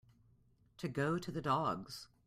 To go to the dogs.